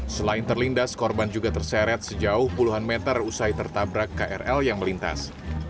selain terlindas korban juga terseret sejauh puluhan meter usai tertabrak krl yang melintas